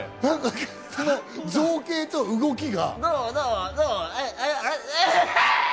その造形と動きが。